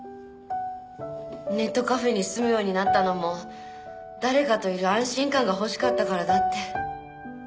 ネットカフェに住むようになったのも誰かといる安心感が欲しかったからだって。